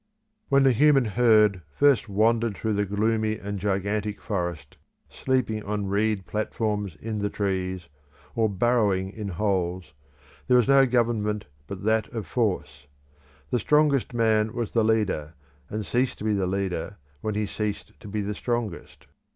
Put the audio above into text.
When the human herd first wandered through the gloomy and gigantic forest, sleeping on reed platforms in the trees, or burrowing in holes, there was no government but that of force. The strongest man was the leader, and ceased to be the leader when he ceased to be the strongest.